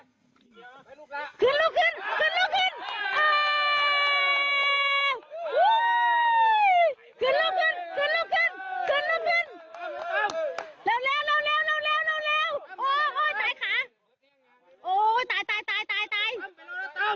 คืนลูกขึ้น